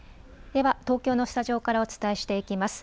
では東京のスタジオからお伝えしていきます。